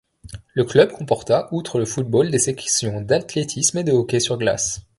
Le club comporta, outre le football des sections d’Athlétisme et de Hockey sur glace.